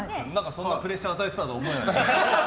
そんなプレッシャーを与えてたとは思えない。